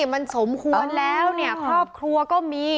มันสมควรแล้วครอบครัวก็มี